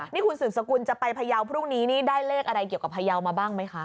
นี่คุณสืบสกุลจะไปพยาวพรุ่งนี้นี่ได้เลขอะไรเกี่ยวกับพยาวมาบ้างไหมคะ